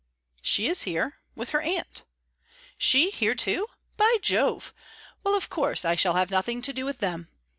"She is here with her aunt." "She here too! By Jove! Well, of course, I shall have nothing to do with them.